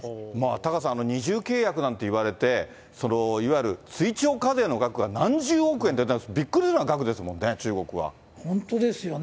タカさん、二重契約なんていわれて、いわゆる追徴課税の額が何十億円って、びっくりするような額ですもんね、本当ですよね。